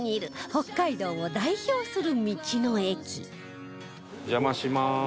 北海道を代表する道の駅お邪魔します。